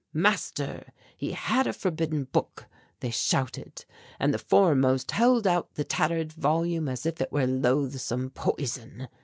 "Master, he had a forbidden book," they shouted, and the foremost held out the tattered volume as if it were loathsome poison.